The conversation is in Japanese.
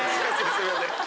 すいません。